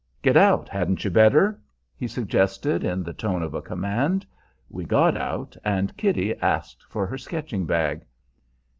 "Get out, hadn't you better?" he suggested, in the tone of a command. We got out, and Kitty asked for her sketching bag.